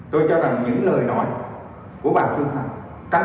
tôi cho rằng những lời nói của bạn phương hằng